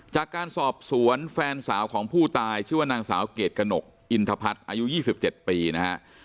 จากการสอบสวนแฟนสาวของผู้ตายชื่อว่านางสาวเกรดกระหนกอินทพัฒน์อายุ๒๗ปีนะฮะ